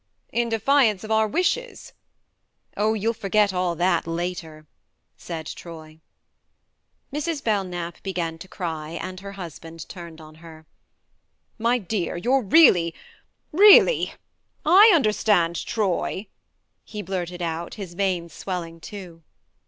" In defiance of our wishes ?" "Oh, you'll forget all that later," said Troy. Mrs. Belknap began to cry, and her husband turned on her. "My dear, you're really really / understand Troy!" he blurted out, his veins swelling too.